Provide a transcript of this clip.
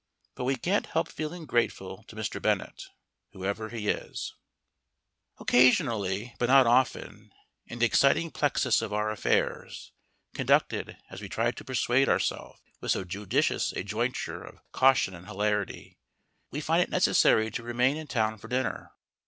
But we can't help feeling grateful to Mr. Bennett, whoever he is. Occasionally (but not often) in the exciting plexus of our affairs (conducted, as we try to persuade ourself, with so judicious a jointure of caution and hilarity) we find it necessary to remain in town for dinner.